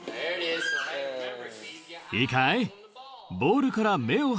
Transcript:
いいかい？